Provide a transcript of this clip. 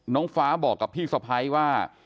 น้องฟ้าบอกกับพี่สะพ้ายว่า